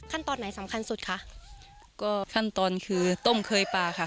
ขั้นตอนไหนสำคัญสุดคะก็ขั้นตอนคือต้มเคยปลาค่ะ